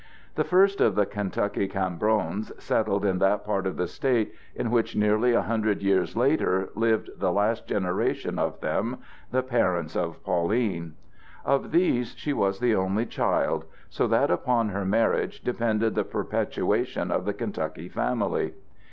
The first of the Kentucky Cambrons settled in that part of the State in which nearly a hundred years later lived the last generation of them the parents of Pauline. Of these she was the only child, so that upon her marriage depended the perpetuation of the Kentucky family.